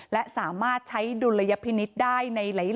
และสามารถใช้ดุลยพินิษฐ์ได้ในหลาย